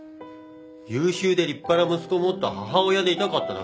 優秀で立派な息子を持った母親でいたかっただけだろ。